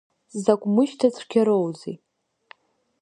Закә мышьҭацәгьароузеи.